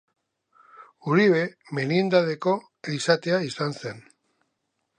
Uribe merindadeko elizatea izan zen.